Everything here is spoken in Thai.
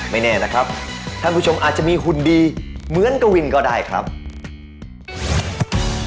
ไม่แน่นะครับท่านผู้ชมอาจจะมีหุ่นดีเหมือนกวินก็ได้ครับ